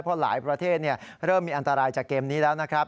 เพราะหลายประเทศเริ่มมีอันตรายจากเกมนี้แล้วนะครับ